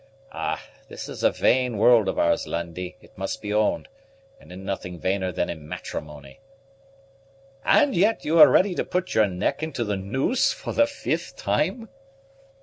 Ah! this is a vain world of ours, Lundie, it must be owned; and in nothing vainer than in matrimony." "And yet you are ready to put your neck into the noose for the fifth time?"